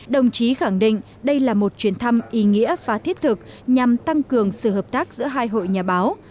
đồng chí khẳng định đây là một chuyến thăm ý nghĩa và thiết thực nhằm tăng cường sự hợp tác giữa hai hội nhà báo